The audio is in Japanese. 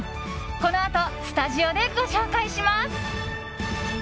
このあとスタジオでご紹介します。